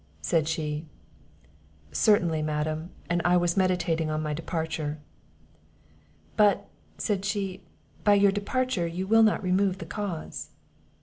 said she. "Certainly, Madam; and I was meditating on my departure." "But," said she, "by your departure you will not remove the cause."